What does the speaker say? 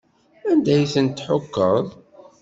Anda ay ten-tḥukkeḍ?